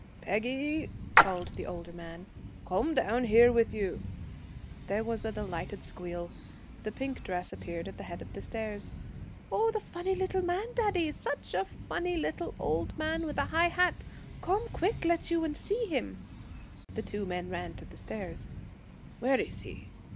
'Peggy!' called the older man. 'Come down here with you.' There was a delighted squeal. The pink dress appeared at the head of the stairs. 'Oh, the funny little man, daddy! Such a funny little old man with a high hat! Come quick, let you, and see him.' The two men ran to the stairs. 'Where is he?'